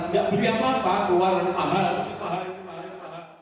gak beli apa apa keluar mahal